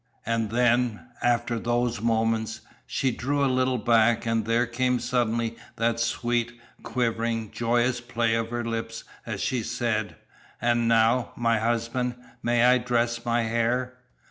And then, after those moments, she drew a little back, and there came suddenly that sweet, quivering, joyous play of her lips as she said: "And now, my husband, may I dress my hair?"